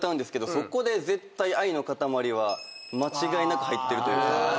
そこで絶対『愛のかたまり』は間違いなく入ってるというか。